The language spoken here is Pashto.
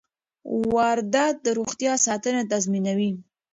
واردات د روغتیا ساتنه تضمینوي.